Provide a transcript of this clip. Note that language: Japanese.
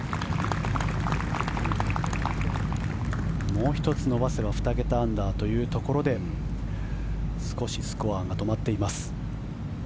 もう１つ伸ばせば２桁アンダーというところで少しスコアが止まっています。